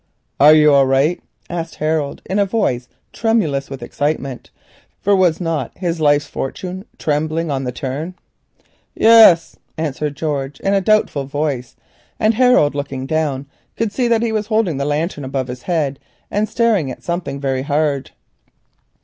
"Are you all right?" asked Harold in a voice tremulous with excitement, for was not his life's fortune trembling on the turn? "Yes," answered George doubtfully. Harold looking down could see that he was holding the lantern above his head and staring at something very hard.